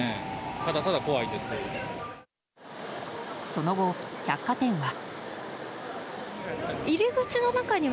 その後、百貨店は。